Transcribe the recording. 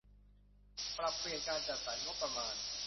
ปรับเปลี่ยนการจัดสรรงบประมาณ